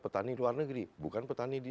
petani luar negeri bukan petani di